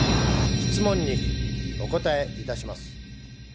質問にお答え致します。